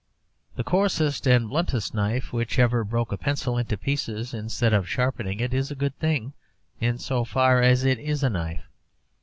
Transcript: The coarsest and bluntest knife which ever broke a pencil into pieces instead of sharpening it is a good thing in so far as it is a knife.